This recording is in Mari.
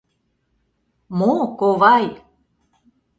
Мо, ковай?